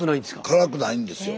辛くないんですよ